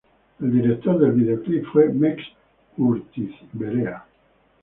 El director del videoclip, fue Mex Urtizberea.